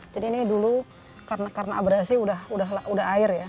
jadi ini dulu karena abrasi sudah air ya